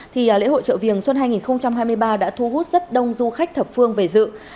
thì lễ hội chợ viềng xuân hai nghìn hai mươi ba đã thu hút rất đông du khách thập phương về dự